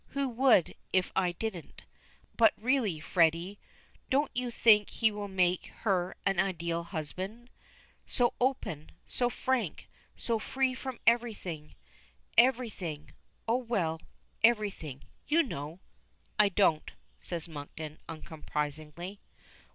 Who would, if I didn't? But really, Freddy, don't you think he will make her an ideal husband? So open. So frank. So free from everything everything oh, well, everything you know!" "I don't," says Monkton, uncompromisingly.